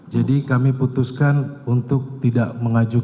jadi kami putuskan untuk tidak mengajukan